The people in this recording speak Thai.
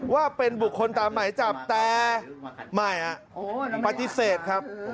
ว่าเป็นบุคคลตามหมายจับแต่ไม่ปฏิเสธครับ